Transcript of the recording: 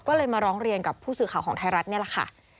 ก็เลยมาร้องเรียนกับผู้สื่อข่าวของไทยรัฐนี่แหละค่ะ